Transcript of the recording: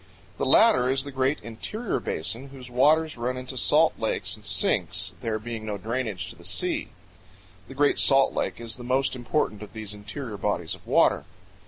The latter is the great interior basin whose waters run into salt lakes and sinks, there being no drainage to the sea. The Great Salt Lake is the most important of these interior bodies of water.